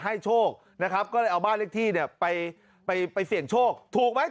โชคนะครับก็เลยเอาบ้านเลขที่เนี่ยไปไปเสี่ยงโชคถูกไหม